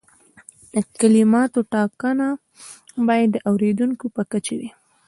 د کلماتو ټاکنه باید د اوریدونکي په کچه وي.